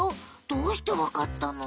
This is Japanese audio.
どうしてわかったの？